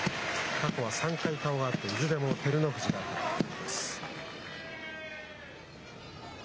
過去は３回顔があって、いずれも照ノ富士が勝っています。